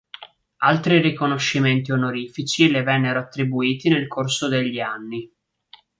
Altri riconoscimenti onorifici le vennero attribuiti nel corso degli anni.